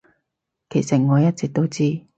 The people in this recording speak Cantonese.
其實我一直都知